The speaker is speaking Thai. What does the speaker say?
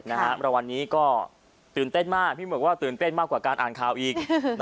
รางวัลนี้ก็ตื่นเต้นมากพี่หมกว่าตื่นเต้นมากกว่าการอ่านข่าวอีก